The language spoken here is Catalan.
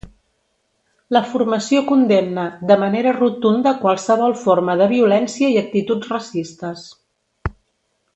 La formació condemna ‘de manera rotunda qualsevol forma de violència i actituds racistes’.